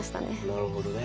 なるほどね。